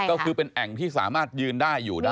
ก็คือเป็นแอ่งที่สามารถยืนได้อยู่ได้